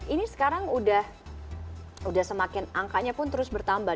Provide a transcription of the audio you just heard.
ini sekarang udah semakin angkanya pun terus bertambah